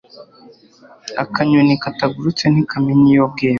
akanyoni katagurutse ntikamenya iyo bweze